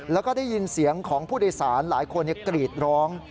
แล้วก็ได้ยินเสียงของผู้โดยสารหลายคนกรีดร้อง